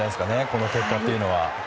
この結果というのは。